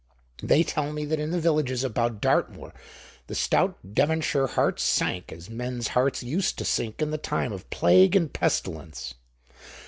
They tell me that in the villages about Dartmoor the stout Devonshire hearts sank as men's hearts used to sink in the time of plague and pestilence.